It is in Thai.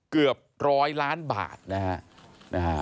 เกือบร้อยล้านบาทนะฮะ